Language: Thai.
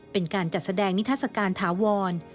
เป็นการจัดแสดงนิทัศกาลถาวร